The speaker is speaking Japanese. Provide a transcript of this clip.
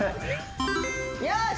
よし！